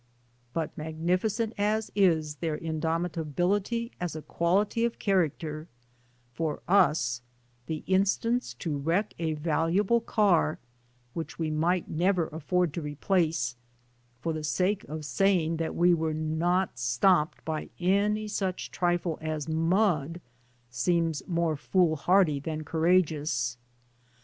But magnificent as is their indomitability as a 76 Digitized by LjOOQ IC THE WEIGHT OF PUBLIC OPINION quality of character; for us, for instance, to wreck a valuable car^ which we might never afford to re place, for the sake of saying that we were not stopped by any such trifle as mud seems more foolhardy than courageous.